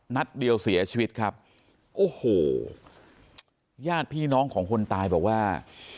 นัดเดียวเสียชีวิตครับโอ้โหญาติพี่น้องของคนตายบอกว่า